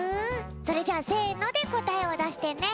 それじゃあせのでこたえをだしてね。